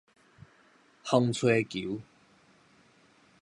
風吹球